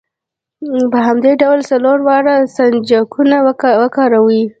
په همدې ډول څلور واړه سنجاقونه وکاروئ.